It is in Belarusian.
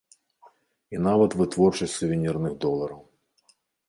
І нават вытворчасць сувенірных долараў.